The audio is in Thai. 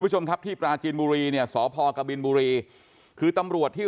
คุณผู้ชมครับที่ปราจีนบุรีเนี่ยสพกบินบุรีคือตำรวจที่